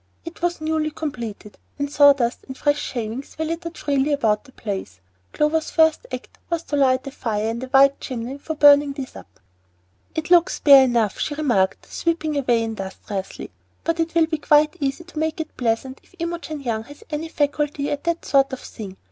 It was newly completed, and sawdust and fresh shavings were littered freely about the place. Clover's first act was to light a fire in the wide chimney for burning these up. "It looks bare enough," she remarked, sweeping away industriously. "But it will be quite easy to make it pleasant if Imogen Young has any faculty at that sort of thing.